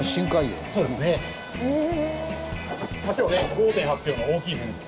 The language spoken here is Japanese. ５．８ｋｇの大きいメヌケ。